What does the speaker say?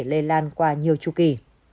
lây lan qua nhiều chú kỳ